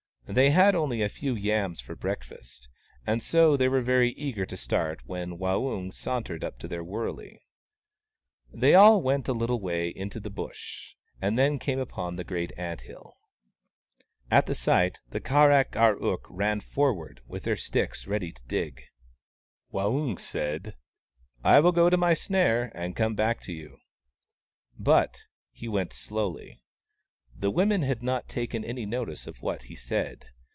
They had only a few yams for breakfast, and so they were very eager to start when Waung sauntered up to their wurley. They all went a little way into the Bush, and then came upon the great ant hill. At the sight. 56 WAUNG, THE CROW the Kar ak ar ook ran forward, with their sticks ready to dig. Waung said :" I will go on to my snare, and come back to you." But he went slowly. The women had not taken any notice of what he said.